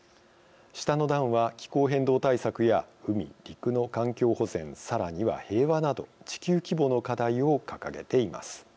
下の段は、気候変動対策や海・陸の環境保全さらには、平和など地球規模の課題を掲げています。